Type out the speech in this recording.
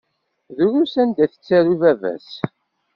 Drus anda ay tettaru i baba-s.